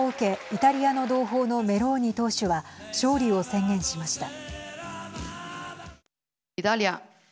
イタリアの同胞のメローニ党首は勝利を宣言しました。